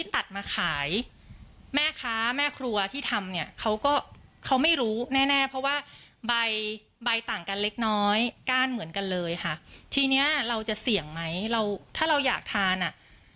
ตัดมาขายแม่ค้าแม่ครัวที่ทำเนี่ยเขาก็เขาไม่รู้แน่แน่เพราะว่าใบใบต่างกันเล็กน้อยก้านเหมือนกันเลยค่ะทีเนี้ยเราจะเสี่ยงไหมเราถ้าเราอยากทานอ่ะ